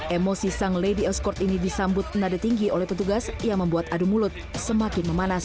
emosi sang lady oscord ini disambut nade tinggi oleh petugas yang membuat adu mulut semakin memanas